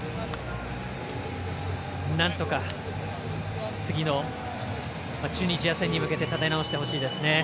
なんとか次のチュニジア戦に向けて立て直してほしいですね。